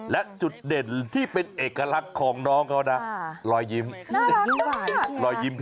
และจุดเด่นที่เป็นเอกลักษณ์ของน้องเขานะรอยยิ้มหวาน